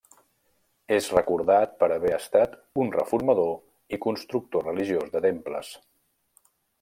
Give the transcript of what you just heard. És recordat per haver estat un reformador i constructor religiós de temples.